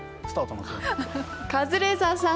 カズレーザーさん